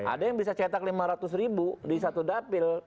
ada yang bisa cetak lima ratus ribu di satu dapil